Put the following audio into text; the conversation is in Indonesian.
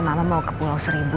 malah mau ke pulau seribu